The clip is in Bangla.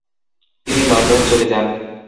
তিনি লন্ডন চলে যান।